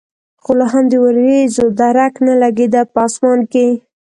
خو لا هم د ورېځو درک نه لګېده په اسمان کې.